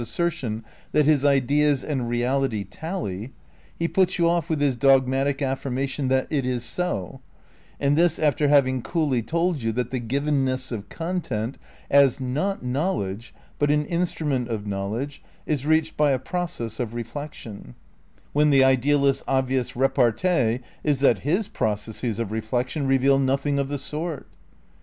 128 THE NEW IDEALISM in sertion that his ideas and reality tally, he puts you off with his dogmatic affirmation that it is so; and this after having coolly told you that the "givenness of content," as not knowledge but "an instrument of knowledge, '' is reached by a process of reflection ; when the idealist's obvious repartee is that his processes of reflection reveal nothing of the sort.